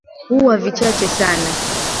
huwa vichache sana